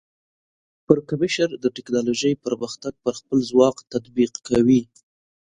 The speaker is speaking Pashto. پرکمشر د ټیکنالوجۍ پرمختګ پر خپل ځواک تطبیق کوي.